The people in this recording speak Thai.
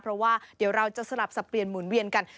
เพราะว่าเดี๋ยวเราจะสลับสับเปลี่ยนหมุนเวียนกัน